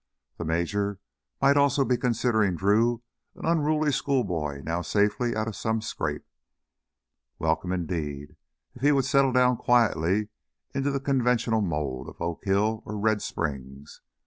The major might almost be considering Drew an unruly schoolboy now safely out of some scrape, welcome indeed if he would settle down quietly into the conventional mold of Oak Hill or Red Springs.